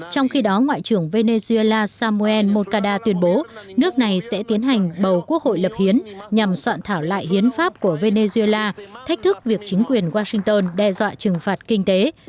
trong khi đó ngoại trưởng venezuela samuel mokada tuyên bố nước này sẽ tiến hành bầu quốc hội lập hiến nhằm soạn thảo lại hiến pháp của venezuela thách thức việc chính quyền washington đe dọa trừng phạt kinh tế